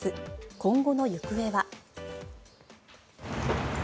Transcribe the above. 今後の行方は。